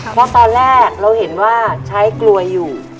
เพราะตอนแรกเราเห็นว่าใช้กลวยอยู่